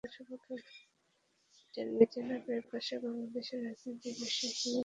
তুমি কি করে জানলে?